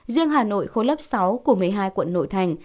riêng hà nội khối lớp sáu của một mươi hai quận nội thành